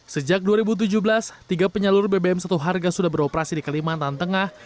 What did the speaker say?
sejak dua ribu tujuh belas tiga penyalur bbm satu harga sudah beroperasi di kalimantan tengah